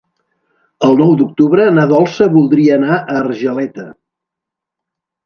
El nou d'octubre na Dolça voldria anar a Argeleta.